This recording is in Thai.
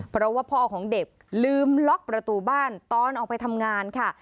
เพราะว่าพ่อของเด็กลืมล็อกประตูบ้านตอนออกไปทำงานค่ะ